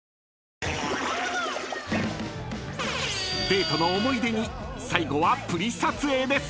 ［デートの思い出に最後はプリ撮影です］